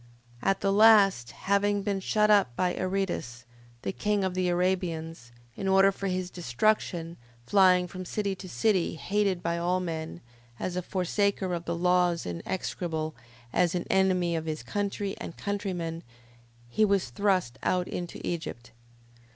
5:8. At the last, having been shut up by Aretas, the king of the Arabians, in order for his destruction, flying from city to city, hated by all men, as a forsaker of the laws and execrable, as an enemy of his country and countrymen, he was thrust out into Egypt: 5:9.